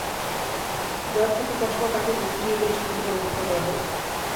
যার চোখে চশমা, তাকেই বুদ্ধিজীবী বলে চিহ্নিত করে হত্যা করা হয়।